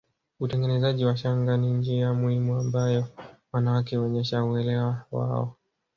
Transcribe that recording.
Utengenezaji wa shanga ni njia muhimu ambayo wanawake huonyesha uelewa wao